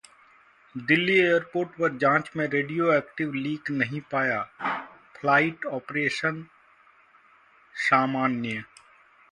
Delhi airport पर जांच में रेडियोएक्टिव लीक नहीं पाया, फ्लाइट ऑपरेशंस सामान्य